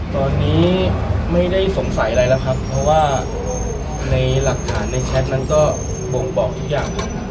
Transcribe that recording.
ตอนนี้ไม่ได้สงสัยอะไรแล้วครับเพราะว่าในหลักฐานในแชทนั้นก็บ่งบอกทุกอย่าง